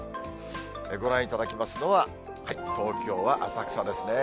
ご覧いただきますのは、東京は浅草ですね。